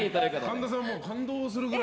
神田さんも感動するぐらい。